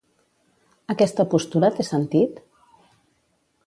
Aquesta postura té sentit?